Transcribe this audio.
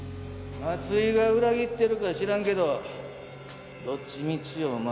松井が裏切ってるかは知らんけどどっちみちお前は殺す！